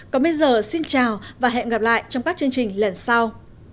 còn bây giờ xin chào và hẹn gặp lại trong các chương trình lần sau